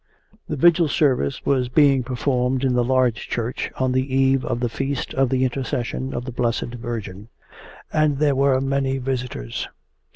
The Vigil service was being performed in the large church on the eve of the feast of the Intercession of the Blessed Virgin, and there were many visitors.